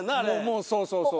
そうそうそうそう。